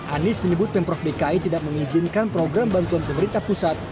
anies menyebut pemprov dki tidak mengizinkan program bantuan pemerintah pusat